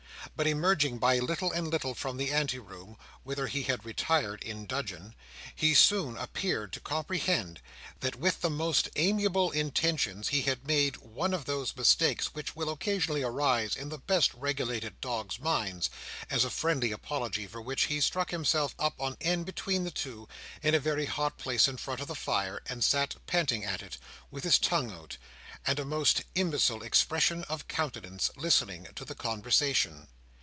But, emerging by little and little from the ante room, whither he had retired in dudgeon, he soon appeared to comprehend, that with the most amiable intentions he had made one of those mistakes which will occasionally arise in the best regulated dogs' minds; as a friendly apology for which he stuck himself up on end between the two, in a very hot place in front of the fire, and sat panting at it, with his tongue out, and a most imbecile expression of countenance, listening to the conversation.